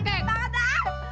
beda banget dah